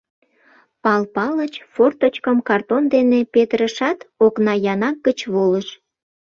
— Пал Палыч форточкым картон дене петырышат, окна янак гыч волыш.